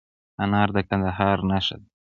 انار د کندهار نښه ده.